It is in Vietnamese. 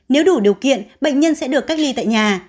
nếu đủ điều kiện bệnh nhân sẽ được cách ly tại nhà